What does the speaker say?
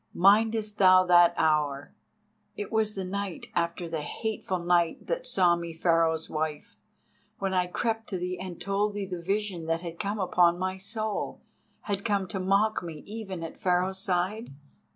Mindest thou that hour—it was the night after the hateful night that saw me Pharaoh's wife—when I crept to thee and told thee the vision that had come upon my soul, had come to mock me even at Pharaoh's side?"